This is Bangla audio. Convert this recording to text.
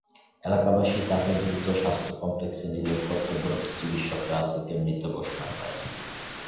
এলাকাবাসী তাকে দ্রুত স্বাস্থ্য কমপ্লেক্সে নিলে কর্তব্যরত চিকিৎসক রাসেলকে মৃত ঘোষণা করেন।